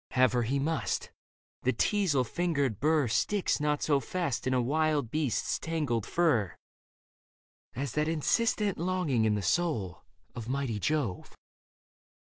Have her he must : the teasel fingered burr Sticks not so fast in a wild beast's tangled fur As that insistent longing in the soul Of mighty Jove.